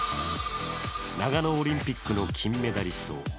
長野オリンピックの金メダリスト